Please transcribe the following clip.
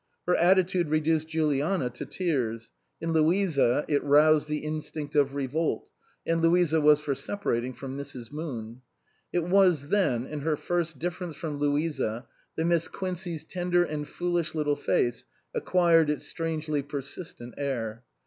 Her attitude reduced Juliana to tears ; in Louisa it roused the instinct of revolt, and Louisa was for separating from Mrs. Moon. It was then, in her first difference from Louisa, that Miss Quincey's tender and foolish little face acquired its strangely persistent air.